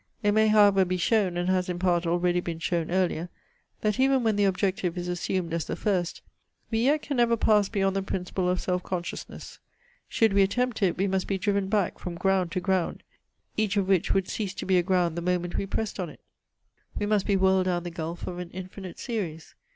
It may however be shown, and has in part already been shown earlier, that even when the Objective is assumed as the first, we yet can never pass beyond the principle of self consciousness. Should we attempt it, we must be driven back from ground to ground, each of which would cease to be a ground the moment we pressed on it. We must be whirled down the gulf of an infinite series.